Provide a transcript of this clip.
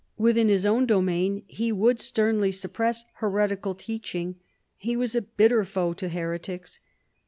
Within his own domain he would sternly suppress heretical teaching. He was a bitter foe to heretics.